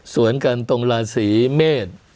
สวนกันตรงราศีเมษ